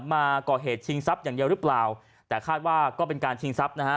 มาก่อเหตุชิงทรัพย์อย่างเดียวหรือเปล่าแต่คาดว่าก็เป็นการชิงทรัพย์นะฮะ